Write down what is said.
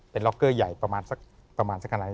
เป็นล็อกเกอร์ใหญ่ประมาณสักขนาดนี้